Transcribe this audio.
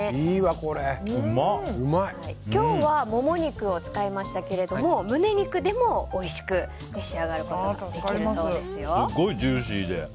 今日はモモ肉を使いましたけども胸肉でもおいしく召し上がることがすごいジューシーで。